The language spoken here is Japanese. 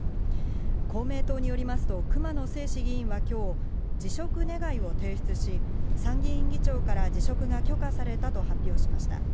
公明党によりますと熊野正士議員は今日、辞職願を提出し、参議院議長から辞職が許可されたと発表しました。